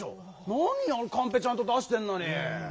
なにカンペちゃんと出してんのに。